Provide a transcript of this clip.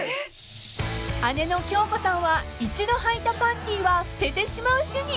［姉の恭子さんは一度はいたパンティーは捨ててしまう主義］